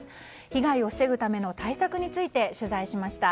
被害を防ぐための対策について取材しました。